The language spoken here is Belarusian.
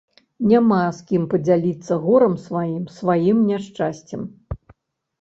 Няма з кім падзяліцца горам сваім, сваім няшчасцем.